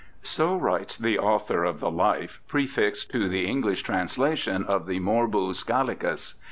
So writes the author of the Life prefixed to the English translation of the Morbus Gallicus.